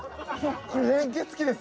これ連結器です。